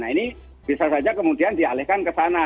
nah ini bisa saja kemudian dialihkan ke sana